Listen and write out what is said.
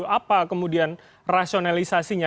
apa kemudian rasionalisasinya